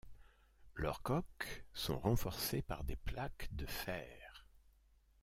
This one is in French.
Leurs coques sont renforcées par des plaques de fer.